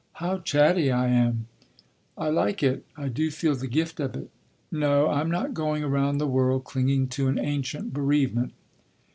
How chatty I am—" "I like it. I do feel the gift of it—" "No, I’m not going around the world clinging to an ancient bereavement....